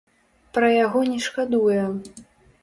Пра яго не шкадуе.